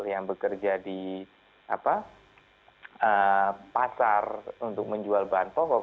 yang bekerja di pasar untuk menjual bahan pokok